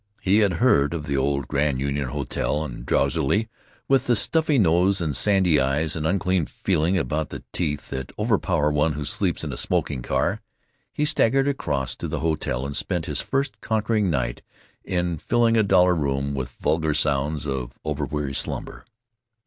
He had heard of the old Grand Union Hotel, and drowsily, with the stuffy nose and sandy eyes and unclean feeling about the teeth that overpower one who sleeps in a smoking car, he staggered across to the hotel and spent his first conquering night in filling a dollar room with vulgar sounds of over weary slumber.